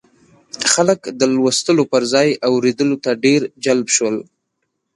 خلک د لوستلو پر ځای اورېدلو ته ډېر جلب شول.